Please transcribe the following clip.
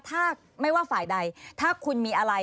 ถ้าไม่ว่าฝ่ายใดถ้าคุณมีอะไร